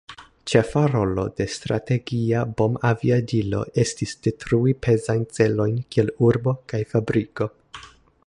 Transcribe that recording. Ĉefa rolo de Strategia bombaviadilo estis detrui pezajn celojn kiel urbo kaj fabriko.